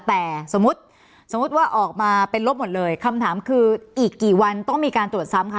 แต่สมมุติสมมุติว่าออกมาเป็นลบหมดเลยคำถามคืออีกกี่วันต้องมีการตรวจซ้ำคะ